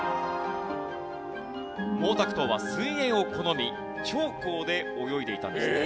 毛沢東は水泳を好み長江で泳いでいたんですね。